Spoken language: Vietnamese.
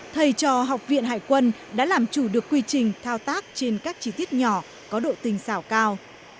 thầy trò học viện hải quân đã làm chủ được quy trình thao tác trên các chi tiết nhỏ có độ tình xảo cao